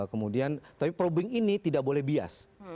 kemudian tapi probing ini tidak boleh bias